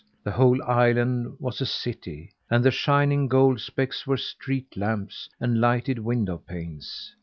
The whole island was a city; and the shining gold specks were street lamps and lighted window panes.